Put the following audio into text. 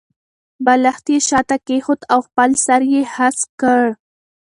بالښت یې شاته کېښود او خپل سر یې هسک کړ.